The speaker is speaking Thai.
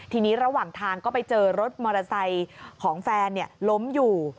ทีนี้ระหว่างทางก็ไปเจอรถมอเตอร์ไซค์ของแฟนล้มอยู่